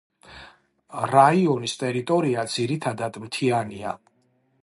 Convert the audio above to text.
რაიონის ტერიტორია ძირითადად მთიანია.